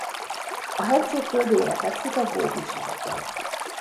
A hegységtől délre fekszik a Góbi-sivatag.